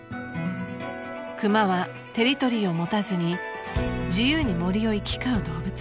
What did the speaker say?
［クマはテリトリーを持たずに自由に森を行き交う動物］